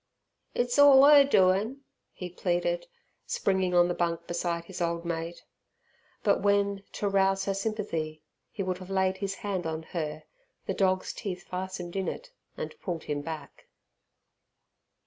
"It's orl er doin'," he pleaded, springing on the bunk beside his old mate. But when, to rouse her sympathy, he would have laid his hand on her, the dog's teeth fastened in it and pulled him back.